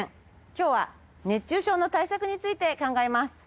今日は熱中症の対策について考えます。